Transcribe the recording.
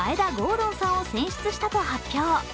敦さんを選出したと発表。